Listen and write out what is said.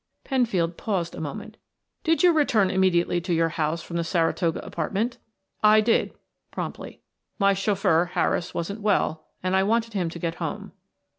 Penfield paused a moment. "Did you return immediately to your house from the Saratoga apartment?" "I did" promptly. "My chauffeur, Harris, wasn't well, and I wanted him to get home."